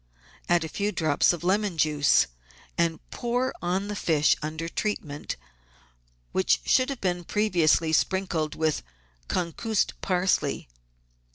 Add a few drops of lemon juice, and pour on the fish under treatment, which should have been previously sprinkled with concussed parsley.